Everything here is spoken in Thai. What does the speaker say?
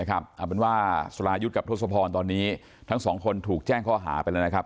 เอาเป็นว่าสรายุทธ์กับทศพรตอนนี้ทั้งสองคนถูกแจ้งข้อหาไปแล้วนะครับ